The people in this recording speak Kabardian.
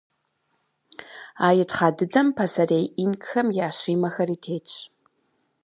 А итхъа дыдэм пасэрей инкхэм я Щимэхэри тетщ.